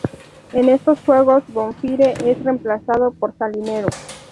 En estos juegos, Bonfire es reemplazado por Salinero.